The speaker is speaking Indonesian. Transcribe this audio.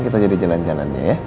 kita jadi jalan jalan ya ya